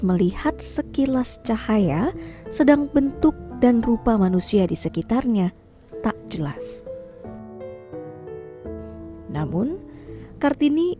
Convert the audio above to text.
melihat sekilas cahaya sedang bentuk dan rupa manusia di sekitarnya tak jelas namun kartini